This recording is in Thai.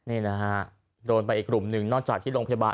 นี่นะฮะโดนไปอีกกลุ่มหนึ่งนอกจากที่โรงพยาบาล